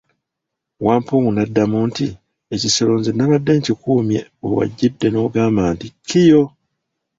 Wampungu n'addamu nti, ekisero nze nabadde nkikuumye we wajjidde n'ogamba nti kiyo!